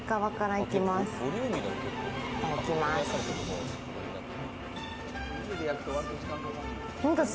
いただきます。